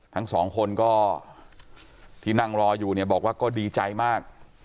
ทั้งสองคนก็ที่นั่งรออยู่เนี่ยบอกว่าก็ดีใจมาก